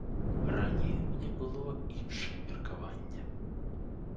Раней у мяне было іншае меркаванне.